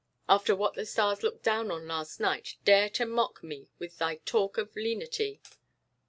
"After what the stars looked down on last night, dare to mock me with thy talk of lenity!"